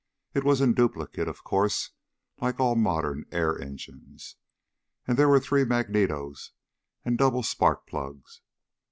It was in duplicate, of course, like all modern air engines, and there were three magnetos, and double spark plugs.